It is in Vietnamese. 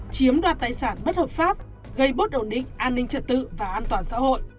chiếm đoạt tài sản bất hợp pháp gây bớt ổn định an ninh trật tự và an toàn xã hội